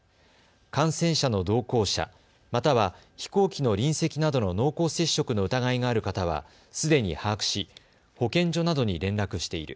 感染者の同行者、または飛行機の隣席などの濃厚接触の疑いがある方はすでに把握し保健所などに連絡している。